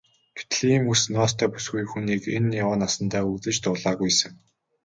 Гэтэл ийм үс ноостой бүсгүй хүнийг энэ яваа насандаа үзэж дуулаагүй сэн.